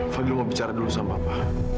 fadil mau bicara dulu sama pak